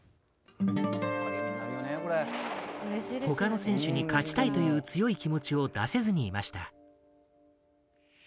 他の選手に勝ちたいという強い気持ちを出せずにいました。